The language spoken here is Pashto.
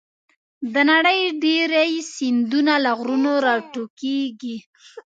د نړۍ ډېری سیندونه له غرونو راټوکېږي.